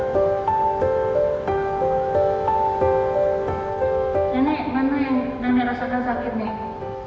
danai mana yang dana rasakan sakit nih